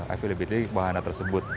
i feel a bit leak bahan tersebut